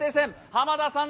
濱田さん